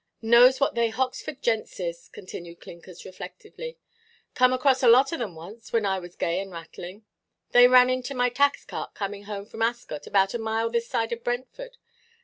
"Knows what they Hoxford gents is," continued Clinkers, reflectively; "come across a lot of them once, when I was gay and rattling. They ran into my tax–cart, coming home from Ascot, about a mile this side of Brentford.